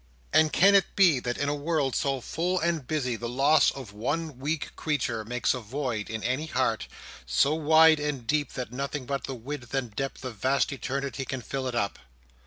And can it be that in a world so full and busy, the loss of one weak creature makes a void in any heart, so wide and deep that nothing but the width and depth of vast eternity can fill it up!